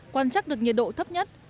quan trắc được nhiệt độ thấp nhất